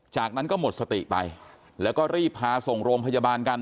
จากนั้นก็หมดสติไปแล้วก็รีบพาส่งโรงพยาบาลกัน